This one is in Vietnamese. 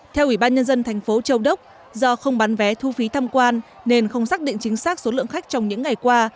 theo ủy ban nhân dân thành phố châu đốc do không bán vé thu phí tham quan nên không xác định chính xác số lượng khách trong những ngày qua